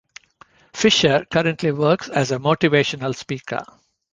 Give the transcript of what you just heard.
Fisher currently works as a motivational speaker.